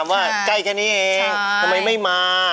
สวัสดีครับ